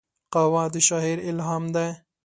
قهوه د شاعر الهام ده